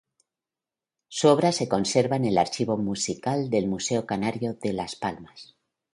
Su obra se conserva en el Archivo Musical del Museo Canario de Las Palmas.